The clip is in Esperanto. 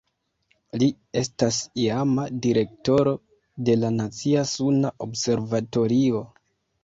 Li estas iama direktoro de la Nacia Suna Observatorio.